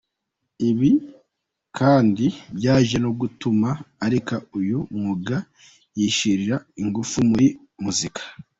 Ibi kandi byaje no gutuma areka uyu mwuga yishyirira ingufu muri muzika.